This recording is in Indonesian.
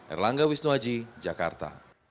erlangga wisnuaji jakarta